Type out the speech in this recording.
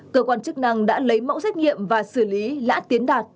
cơ quan chức năng đã lấy mẫu xét nghiệm và xử lý lã tiến đạt